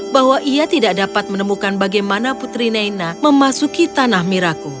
bahwa ia tidak dapat menemukan bagaimana putri naina memasuki tanah miraku